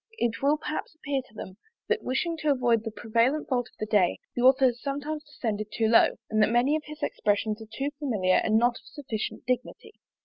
It will perhaps appear to them, that wishing to avoid the prevalent fault of the day, the author has sometimes descended too low, and that many of his expressions are too familiar, and not of sufficient dignity.